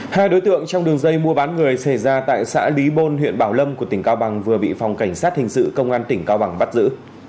hai đối tượng trong đường dây mua bán người xảy ra tại xã lý bôn huyện bảo lâm của tỉnh cao bằng vừa bị phòng cảnh sát hình sự công an tỉnh cao bằng bắt giữ